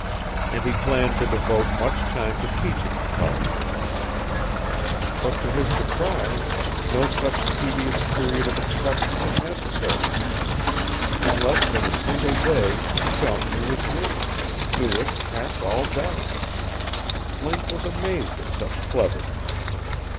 And he planned to devote much time to teaching the collie this name. But, to his surprise, no such tedious period of instruction was necessary. In less than a single day Chum knew his name, knew it past all doubt. Link was amazed at such cleverness.